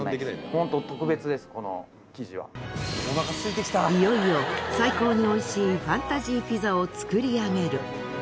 いよいよ最高においしいファンタジーピザを作り上げる。